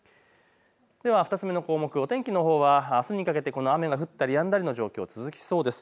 では２つ目目の項目、お天気はあすにかけて雨が降ったりやんだりの状況続きそうです。